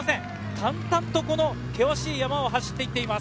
淡々と険しい山を走っています。